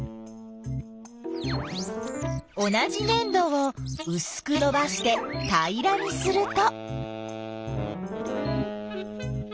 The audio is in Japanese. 同じねん土をうすくのばしてたいらにすると。